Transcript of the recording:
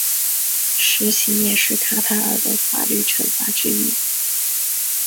石刑也是卡塔尔的法律惩罚之一。